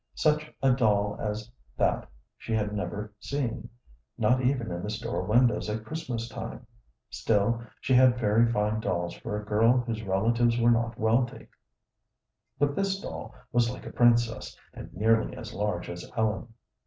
Such a doll as that she had never seen, not even in the store windows at Christmas time. Still, she had very fine dolls for a little girl whose relatives were not wealthy, but this doll was like a princess, and nearly as large as Ellen.